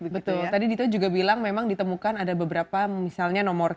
betul tadi dito juga bilang memang ditemukan ada beberapa misalnya nomor k